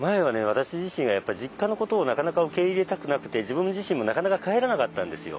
私自身が実家のことをなかなか受け入れたくなくて自分自身もなかなか帰らなかったんですよ。